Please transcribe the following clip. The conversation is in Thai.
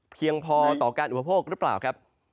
เพียงพอต่อการอุปโภคหรือเปล่าครับ